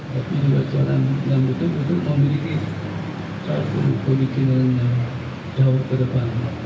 tapi dia seorang yang betul betul memiliki satu politik yang jauh ke depan